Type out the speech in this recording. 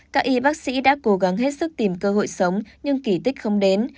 các y bác sĩ đã cố gắng hết sức tìm cơ hội sống nhưng kỳ tích không đến